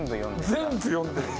全部読んでる。